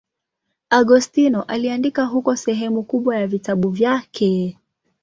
Agostino aliandika huko sehemu kubwa ya vitabu vyake.